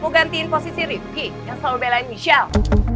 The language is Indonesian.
mau gantiin posisi rikki jangan selalu belain michelle